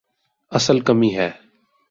اصل کمی ہے۔